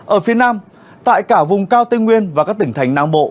ở phía nam tại cả vùng cao tây nguyên và các tỉnh thành nam bộ